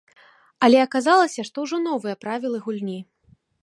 Але аказалася, што ўжо новыя правілы гульні.